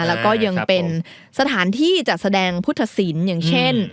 แล้วก็ยังเป็นสถานที่จัดแสดงพุทธศิลป์อย่างเช่น